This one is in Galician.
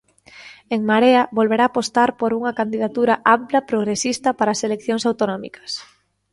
En Marea volverá apostar por unha candidatura ampla progresista para as eleccións autonómicas.